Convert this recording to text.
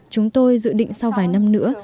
chúng tôi dự định sau vài năm nữa